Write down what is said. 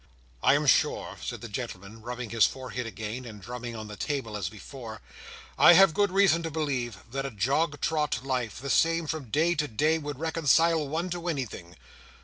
"I am sure," said the gentleman, rubbing his forehead again; and drumming on the table as before, "I have good reason to believe that a jog trot life, the same from day to day, would reconcile one to anything.